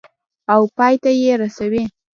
او پای ته یې رسوي.